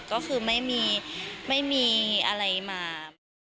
ก็คือไม่มีไม่มีอะไรมา